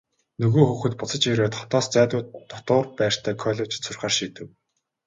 Нөгөө хүүхэд буцаж ирээд хотоос зайдуу дотуур байртай коллежид сурахаар шийдэв.